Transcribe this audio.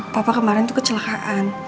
papa kemarin tuh kecelakaan